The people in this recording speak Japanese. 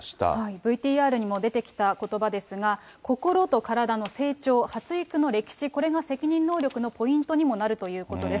ＶＴＲにも出てきたことばですが、心と体の成長、発育の歴史、これが責任能力のポイントにもなるということです。